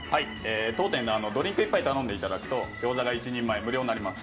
等点、ドリンク１杯頼んでいただきますと餃子が１人前無料になります。